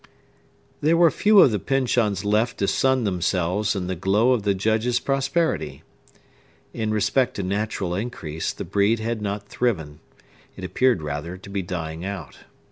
There were few of the Pyncheons left to sun themselves in the glow of the Judge's prosperity. In respect to natural increase, the breed had not thriven; it appeared rather to be dying out.